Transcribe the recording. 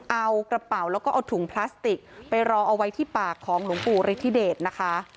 เอากระเป๋าแล้วก็เอาถุงพลาสติกไปรอเอาไว้ที่ปากของหลวงปู่ฤทธิเดชนะคะ